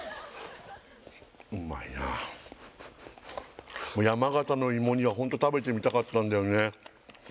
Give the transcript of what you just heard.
うまいな山形の芋煮はホント食べてみたかったんだよね